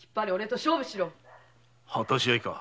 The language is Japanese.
果たし合いか。